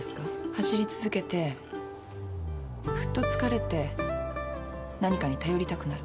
走り続けてふっと疲れて何かに頼りたくなる。